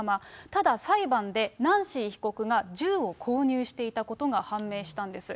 ただ、裁判でナンシー被告が銃を購入していたことが判明したんです。